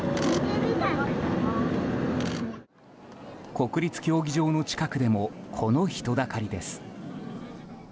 国立競技場の近くでもこの人だかりです。